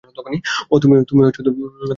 ওহ, তুমি অনুভব করেছ?